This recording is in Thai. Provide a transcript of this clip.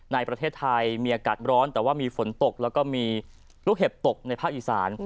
ในประเทศไทยมีอากาศร้อนแต่ว่ามีฝนตกแล้วก็มีลูกเห็บตกในภาคอีสาน